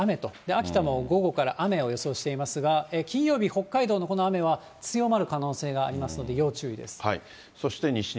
秋田も午後から雨を予想していますが、金曜日、北海道のこの雨は強まる可能性がありますので、要注意です。